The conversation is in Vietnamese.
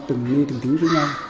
từng ngày từng tiếng